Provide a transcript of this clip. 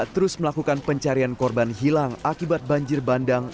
terus melakukan pencarian korban hilang akibat banjir bandang